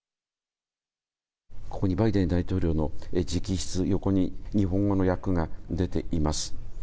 ここにバイデン大統領の直筆、横に日本語の訳が出ています。